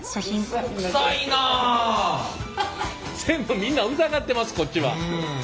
みんな疑ってますこっちは。